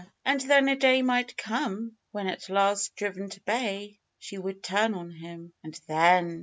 And then a day might come, when at last driven to bay, she would turn on him. And then